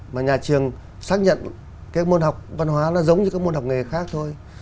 mà nhà trường xác nhận các môn học văn hóa nó giống như các môn học nghề khác thôi